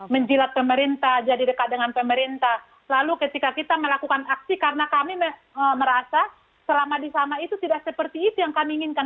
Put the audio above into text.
menjilat pemerintah jadi dekat dengan pemerintah lalu ketika kita melakukan aksi karena kami merasa selama di sana itu tidak seperti itu yang kami inginkan